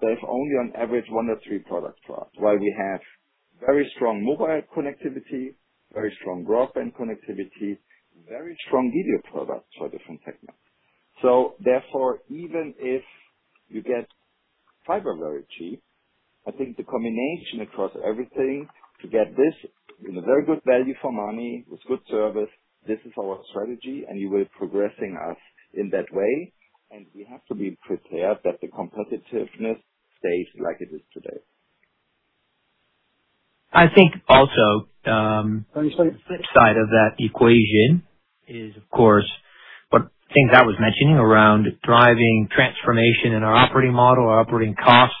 There's only on average one to three products for us. While we have very strong mobile connectivity, very strong broadband connectivity, very strong video products for different segments. Therefore, even if you get fiber very cheap, I think the combination across everything to get this in a very good value for money, with good service, this is our strategy, and we will progressing us in that way, and we have to be prepared that the competitiveness stays like it is today. I think also— I understand. The flip side of that equation is, of course, things I was mentioning around driving transformation in our operating model, our operating costs,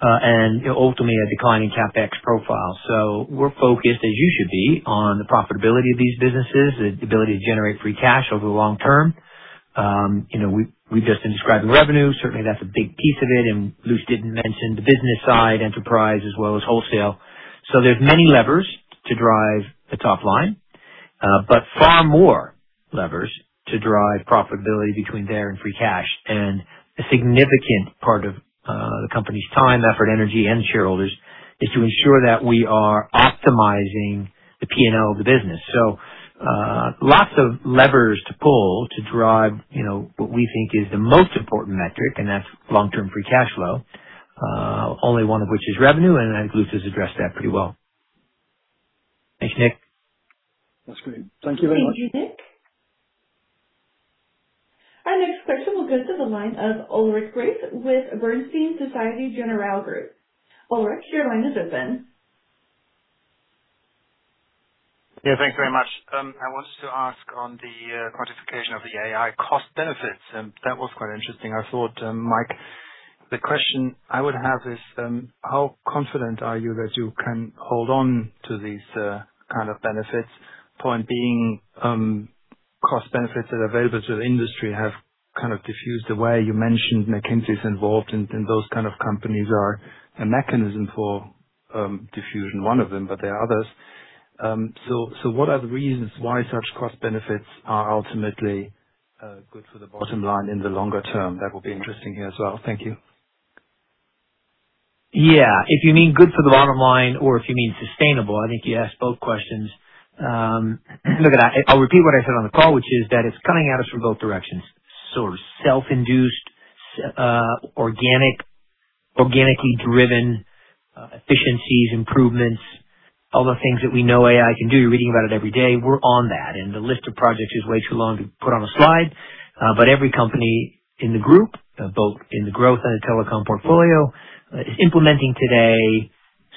and ultimately, a declining CapEx profile. We're focused, as you should be, on the profitability of these businesses, the ability to generate free cash over the long term. We've just been describing revenue. Certainly, that's a big piece of it, and Lutz didn't mention the business side, enterprise as well as wholesale. There's many levers to drive the top line. Far more levers to drive profitability between there and free cash. A significant part of the company's time, effort, energy, and shareholders is to ensure that we are optimizing the P&L of the business. Lots of levers to pull to drive what we think is the most important metric, and that's long-term free cash flow. Only one of which is revenue, and I think Lutz has addressed that pretty well. Thanks, Nick. That's great. Thank you very much. Thank you, Nick. Our next question will go to the line of Ulrich Rathe with Bernstein Societe Generale Group. Ulrich, your line is open. Thanks very much. I wanted to ask on the quantification of the AI cost benefits. That was quite interesting, I thought, Mike. The question I would have is, how confident are you that you can hold on to these kind of benefits? Point being, cost benefits that are available to the industry have kind of diffused away. You mentioned McKinsey's involved, and those kind of companies are a mechanism for diffusion, one of them, but there are others. What are the reasons why such cost benefits are ultimately good for the bottom line in the longer term? That would be interesting here as well. Thank you. If you mean good for the bottom line or if you mean sustainable, I think you asked both questions. I'll repeat what I said on the call, which is that it's coming at us from both directions, sort of self-induced, organically driven efficiencies, improvements, all the things that we know AI can do. You're reading about it every day. We're on that. The list of projects is way too long to put on a slide. Every company in the group, both in the Growth and the Telecom portfolio, is implementing today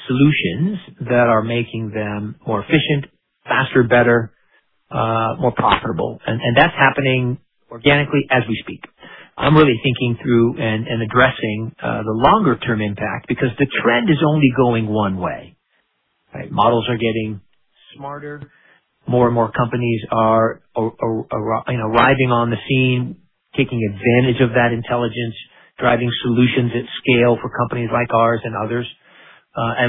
solutions that are making them more efficient, faster, better, more profitable. That's happening organically as we speak. I'm really thinking through and addressing the longer-term impact because the trend is only going one way, right? Models are getting smarter. More and more companies are arriving on the scene, taking advantage of that intelligence, driving solutions at scale for companies like ours and others.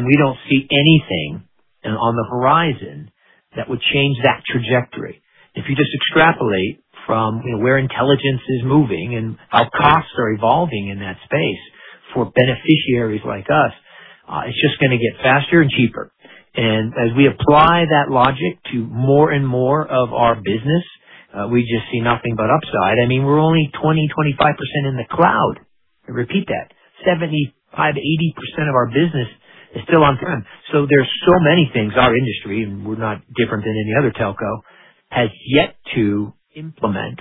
We don't see anything on the horizon that would change that trajectory. If you just extrapolate from where intelligence is moving and how costs are evolving in that space for beneficiaries like us, it's just going to get faster and cheaper. As we apply that logic to more and more of our business, we just see nothing but upside. We're only 20%-25% in the cloud. I repeat that, 75%-80% of our business is still on-prem. There's so many things our industry, and we're not different than any other telco, has yet to implement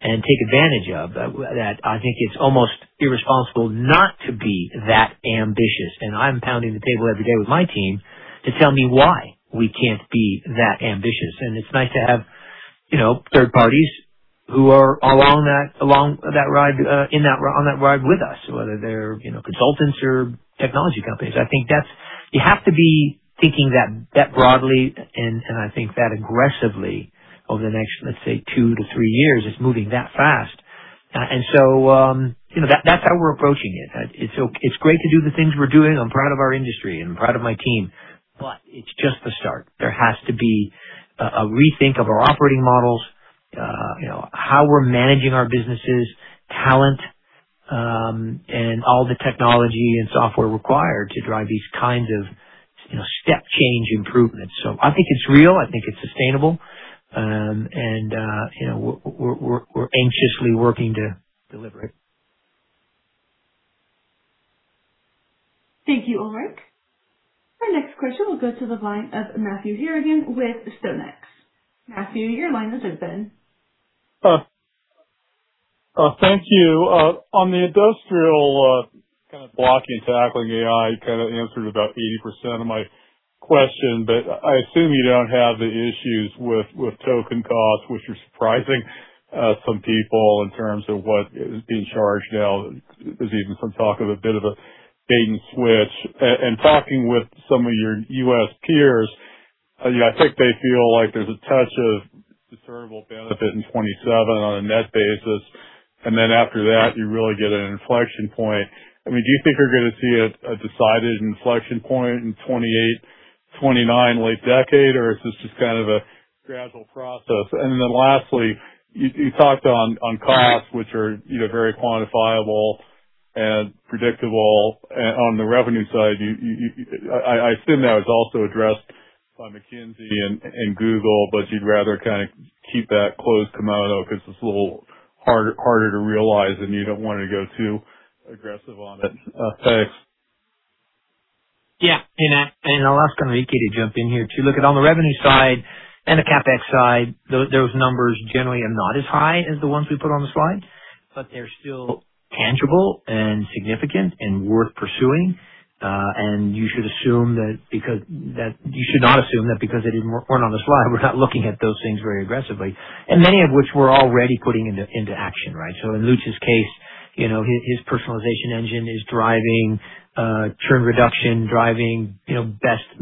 and take advantage of, that I think it's almost irresponsible not to be that ambitious. I'm pounding the table every day with my team to tell me why we can't be that ambitious. It's nice to have third parties who are along on that ride with us, whether they're consultants or technology companies. You have to be thinking that broadly, and I think that aggressively over the next, let's say, two to three years. It's moving that fast. That's how we're approaching it. It's great to do the things we're doing. I'm proud of our industry, I'm proud of my team, but it's just the start. There has to be a rethink of our operating models, how we're managing our businesses, talent and all the technology and software required to drive these kinds of step change improvements. I think it's real, I think it's sustainable, and we're anxiously working to deliver it. Thank you, Ulrich. Our next question will go to the line of Matthew Harrigan with StoneX. Matthew, your line is open. Thank you. On the industrial kind of blocking and tackling AI, you kind of answered about 80% of my question, but I assume you don't have the issues with token costs, which are surprising some people in terms of what is being charged now. There's even some talk of a bit of a bait and switch. Talking with some of your U.S. peers, I think they feel like there's a touch of discernible benefit in 2027 on a net basis, and then after that, you really get an inflection point. Do you think you're going to see a decided inflection point in 2028, 2029, late decade, or is this just kind of a gradual process? Lastly, you talked on costs, which are very quantifiable and predictable. On the revenue side, I assume that was also addressed by McKinsey and Google, you'd rather kind of keep that closed kimono because it's a little harder to realize, and you don't want to go too aggressive on it. Thanks. Yeah. I'll ask Enrique to jump in here too. Look, on the revenue side and the CapEx side, those numbers generally are not as high as the ones we put on the slide, but they're still tangible and significant and worth pursuing. You should not assume that because they weren't on the slide, we're not looking at those things very aggressively, and many of which we're already putting into action, right? In Lutz's case, his personalization engine is driving churn reduction, driving next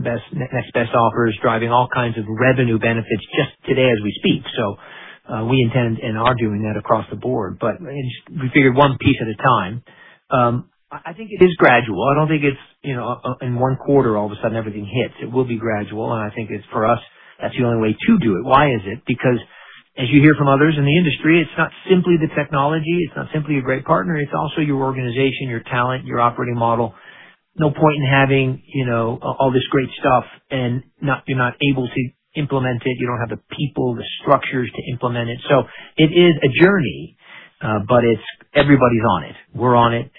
best offers, driving all kinds of revenue benefits just today as we speak. We intend and are doing that across the board, but we figured one piece at a time. I think it is gradual. I don't think in one quarter all of a sudden everything hits. It will be gradual, and I think for us, that's the only way to do it. Why is it? Because as you hear from others in the industry, it's not simply the technology, it's not simply a great partner, it's also your organization, your talent, your operating model. No point in having all this great stuff and you're not able to implement it. You don't have the people, the structures to implement it. It is a journey, but everybody's on it. We're on it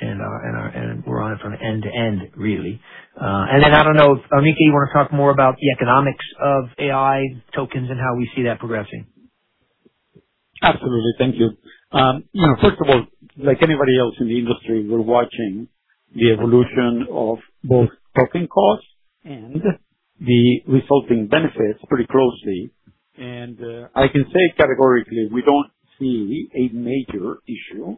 from end to end, really. I don't know, Enrique, you want to talk more about the economics of AI tokens and how we see that progressing? Absolutely. Thank you. First of all, like anybody else in the industry, we're watching the evolution of both token costs and the resulting benefits pretty closely. I can say categorically, we don't see a major issue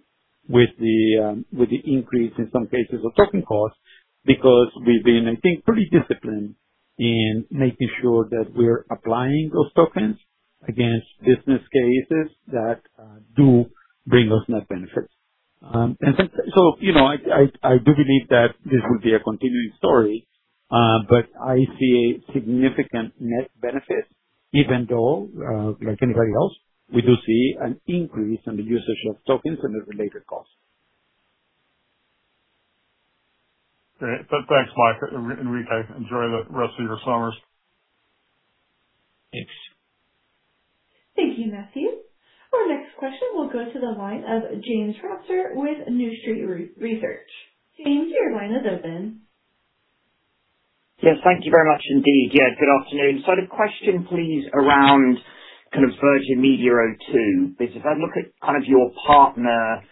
with the increase in some cases of token costs because we've been, I think, pretty disciplined in making sure that we're applying those tokens against business cases that do bring us net benefits. I do believe that this will be a continuing story, but I see a significant net benefit even though, like anybody else, we do see an increase in the usage of tokens and the related costs. Great. Thanks, Mike, Enrique. Enjoy the rest of your summers. Thanks. Thank you, Matthew. Our next question will go to the line of James Ratzer with New Street Research. James, your line is open. Yes, thank you very much indeed. Yeah, good afternoon. The question, please, around kind of Virgin Media O2 is if I look at your partner,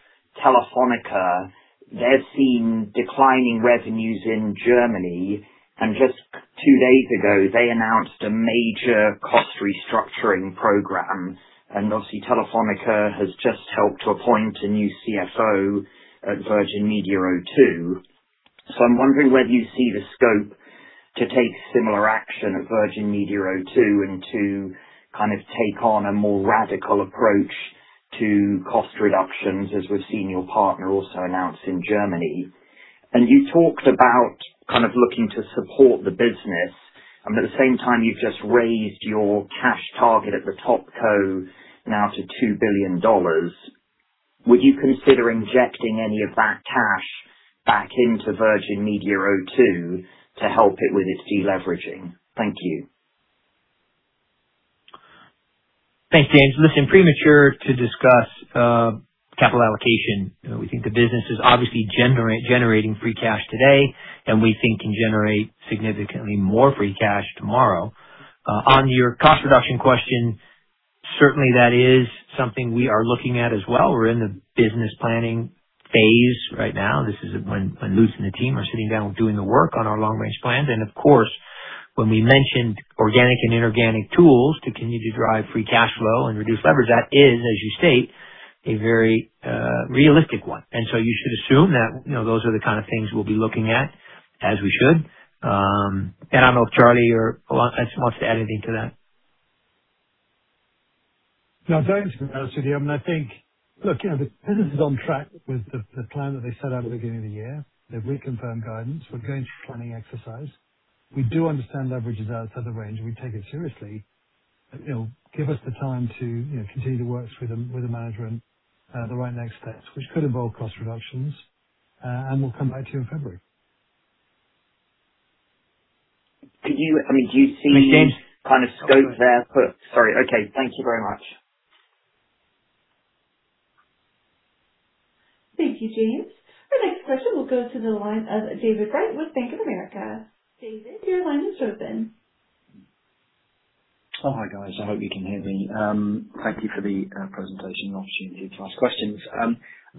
Telefónica, they're seeing declining revenues in Germany, and just two days ago, they announced a major cost restructuring program. Obviously, Telefónica has just helped to appoint a new CFO at Virgin Media O2. I'm wondering whether you see the scope to take similar action at Virgin Media O2 and to kind of take on a more radical approach to cost reductions as we've seen your partner also announce in Germany. You talked about kind of looking to support the business, and at the same time, you've just raised your cash target at the TopCo now to $2 billion. Would you consider injecting any of that cash back into Virgin Media O2 to help it with its deleveraging? Thank you. Thanks, James. Listen, premature to discuss capital allocation. We think the business is obviously generating free cash today and we think can generate significantly more free cash tomorrow. On your cost reduction question, certainly that is something we are looking at as well. We're in the business planning phase right now. This is when Lutz and the team are sitting down doing the work on our long-range plans. Of course, when we mentioned organic and inorganic tools to continue to drive free cash flow and reduce leverage, that is, as you state, a very realistic one. You should assume that those are the kind of things we'll be looking at as we should. I don't know if Charlie wants to add anything to that. No, James, I think, look, the business is on track with the plan that they set out at the beginning of the year. They've reconfirmed guidance. We're going through planning exercise. We do understand leverage is outside the range, and we take it seriously. Give us the time to continue the works with the manager and the right next steps, which could involve cost reductions, and we'll come back to you in February. Do you see any kind of scope there for? Sorry. Okay, thank you very much. Thank you, James. Our next question will go to the line of David Wright with Bank of America. David, your line is open. Hi guys. I hope you can hear me. Thank you for the presentation and the opportunity to ask questions.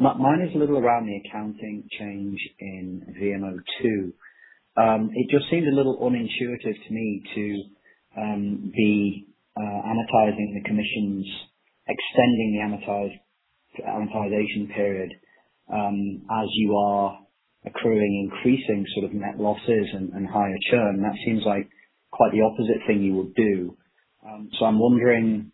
Mine is a little around the accounting change in VMO2. It just seems a little unintuitive to me to be amortizing the commissions, extending the amortization period, as you are accruing increasing net losses and higher churn. That seems like quite the opposite thing you would do. I'm wondering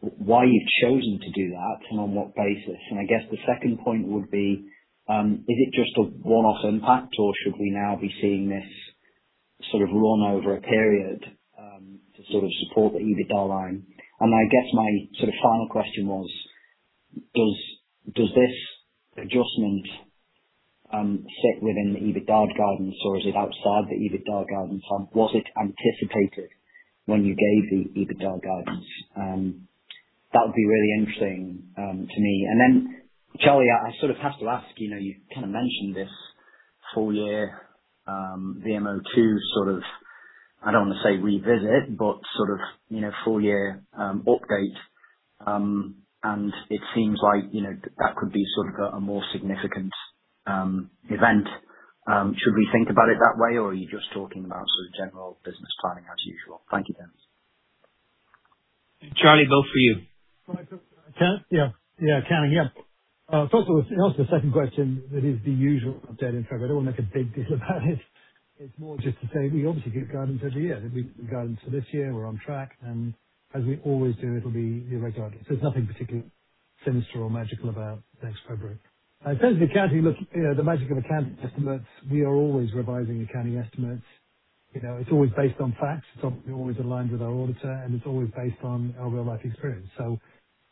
why you've chosen to do that and on what basis. I guess the second point would be, is it just a one-off impact, or should we now be seeing this run over a period to support the EBITDA line? I guess my final question was, does this adjustment sit within the EBITDA guidance, or is it outside the EBITDA guidance, and was it anticipated when you gave the EBITDA guidance? That would be really interesting to me. Charlie, I have to ask, you mentioned this full year VMO2, I don't want to say revisit, but full year update. It seems like that could be a more significant event. Should we think about it that way, or are you just talking about general business planning as usual? Thank you, James. Charlie, both for you. Accounting. First of all, to answer the second question, that is the usual update in February. I don't want to make a big deal about it. It's more just to say we obviously give guidance every year. The guidance for this year, we're on track, and as we always do, it'll be the regular. There's nothing particularly sinister or magical about next February. In terms of the accounting, look, the magic of accounting estimates, we are always revising accounting estimates. It's always based on facts. It's obviously always aligned with our auditor, and it's always based on our real-life experience.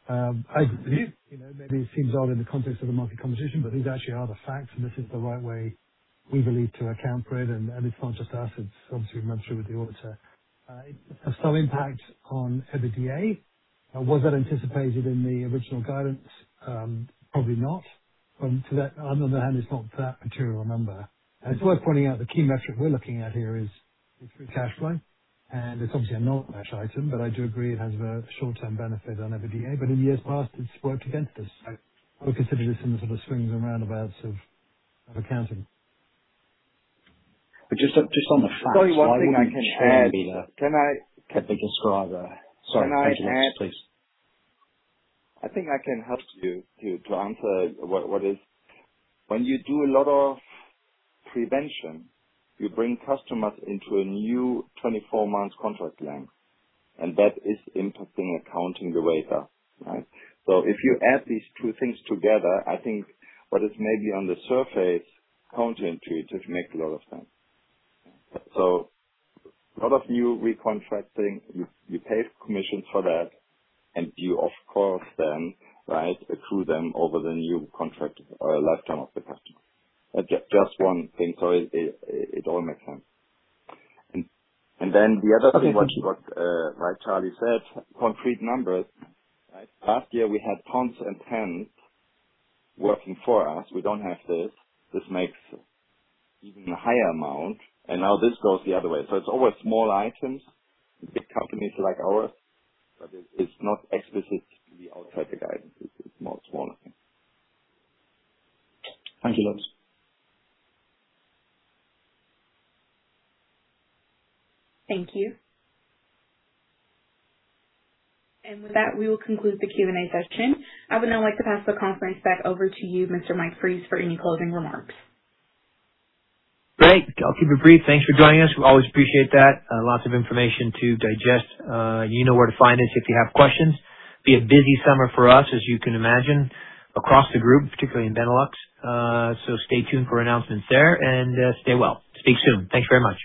I believe maybe it seems odd in the context of the market competition, but these actually are the facts, and this is the right way we believe to account for it. It's not just us, it's obviously run through with the auditor. It has some impact on EBITDA. Was that anticipated in the original guidance? Probably not. On the other hand, it's not that material a number. It's worth pointing out the key metric we're looking at here is free cash flow, and it's obviously a non-cash item. I do agree it has a short-term benefit on EBITDA. In years past, it's worked against us. We consider this in the swings and roundabouts of accounting. Just on the facts. Sorry, one thing I can add. Why wouldn't churn be the bigger driver? Sorry. Thanks a lot, please. I think I can help you to answer what it is. When you do a lot of prevention, you bring customers into a new 24 months contract length, that is impacting accounting the rate up. Right? If you add these two things together, I think what is maybe on the surface counterintuitive makes a lot of sense. A lot of new recontracting, you pay commission for that and you accrue them over the new contract or lifetime of the customer. Just one thing, so it all makes sense. Then the other thing what Charlie said, concrete numbers. Last year, we had tailwinds working for us. We don't have this. This makes even a higher amount. Now this goes the other way. It's always small items with big companies like ours, but it's not explicit to the outside guidance. It's more smaller things. Thank you, Lutz. Thank you. With that, we will conclude the Q&A session. I would now like to pass the conference back over to you, Mr. Mike Fries, for any closing remarks. Great. I'll keep it brief. Thanks for joining us. We always appreciate that. Lots of information to digest. You know where to find us if you have questions. Be a busy summer for us, as you can imagine, across the group, particularly in Benelux. Stay tuned for announcements there and stay well. Speak soon. Thanks very much.